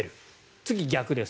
次、逆です。